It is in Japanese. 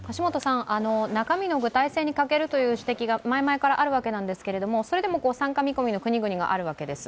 中身の具体性に欠けるという指摘が前々からあるわけですが、それでも参加見込みの国々があるわけです。